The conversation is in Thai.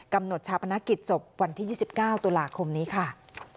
กำหนดชาปนกิจศพวันที่๒๙ตุลาคมนี้ค่ะ